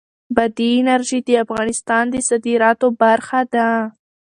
بادي انرژي د افغانستان د صادراتو برخه ده.